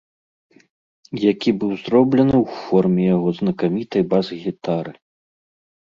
Які быў зроблены ў форме яго знакамітай бас-гітары!